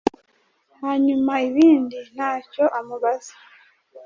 hanyuma ibindi ntacyo amubaza